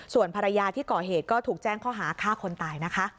ส่วนภรรยาที่ก่อเหตุก็ถูกแจ้งข้อหา